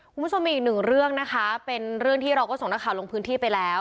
คุณผู้ชมมีอีกหนึ่งเรื่องนะคะเป็นเรื่องที่เราก็ส่งนักข่าวลงพื้นที่ไปแล้ว